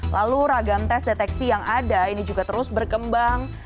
lalu ragam tes deteksi yang ada ini juga terus berkembang